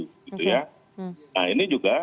nah ini juga kita buat kebijakan